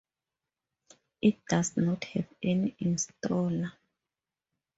It does not have any installer.